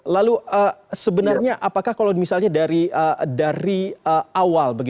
lalu sebenarnya apakah kalau misalnya dari awal